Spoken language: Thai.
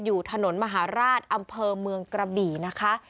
อยู่ถนนมหาราชอำเภอเมืองกระบี่นะคะ